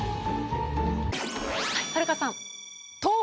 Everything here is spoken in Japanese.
はるかさん。